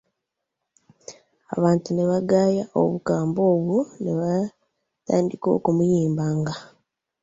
Abantu ne bagaya obukambwe obwo ne batandika okumuyimbanga.